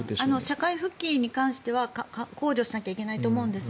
社会復帰に関しては考慮しなきゃいけないと思うんです。